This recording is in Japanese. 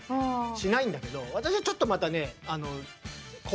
しないんだけど私はちょっとまたね